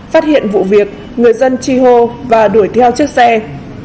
phát hiện vụ việc người dân chi hô và đối tượng ma túy đã đưa ra một bộ phòng chống ma túy